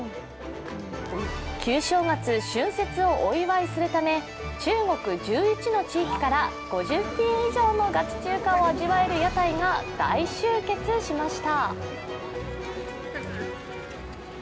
旧正月・春節をお祝いするため中国１１の地域から５０品以上のガチ中華を味わえる屋台が大集結しました。